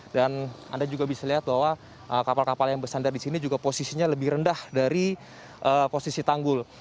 dan anda juga bisa lihat bahwa kapal kapal yang bersandar di sini juga posisinya lebih rendah dari posisi tanggul